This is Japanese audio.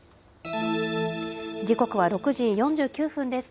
時刻は６時４９分です。